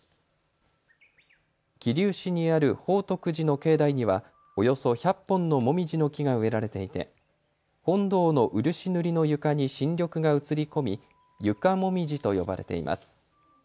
桐生市にある宝徳寺の境内にはおよそ１００本のもみじの木が植えられていて本堂の漆塗りの床に新緑が映り込み床もみじと呼ばれています。